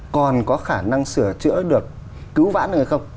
còn có khả năng sửa chữa được cứu vãn được hay không